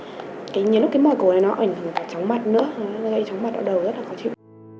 gây tróng mặt ở đầu rất là khó chịu